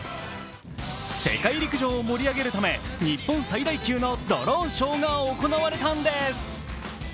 世界陸上を盛り上げるため日本最大級のドローンショーが行われたんです。